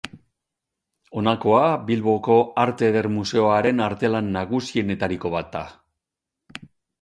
Honakoa Bilboko Arte Eder Museoaren artelan nagusienetariko bat da.